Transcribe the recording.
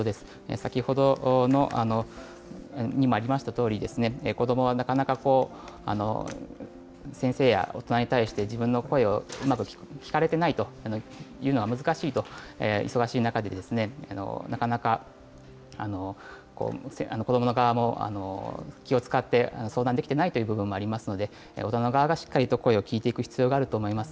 先ほどにもありましたとおり、子どもはなかなか先生や大人に対して、自分の声をうまく聞かれてないというのは難しいと、忙しい中で、なかなか子どもの側も気を遣って、相談できてないという部分もありますので、大人の側がしっかりと声を聞いていく必要があると思います。